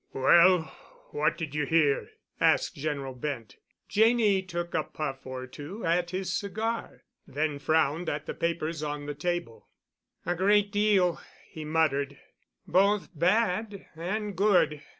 "Well, what did you hear?" asked General Bent. Janney took a puff or two at his cigar, then frowned at the papers on the table. "A great deal," he muttered, "both bad and good.